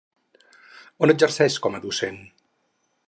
On exerceix com a docent?